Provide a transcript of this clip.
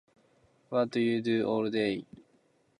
What do you do all day?